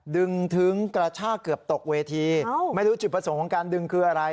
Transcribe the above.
ถึงกระชากเกือบตกเวทีไม่รู้จุดประสงค์ของการดึงคืออะไร